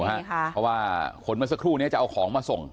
เพราะว่าคนเมื่อสักครู่นี้จะเอาของมาส่ง